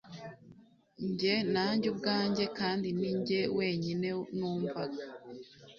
njye, nanjye ubwanjye, kandi ninjye wenyine numvaga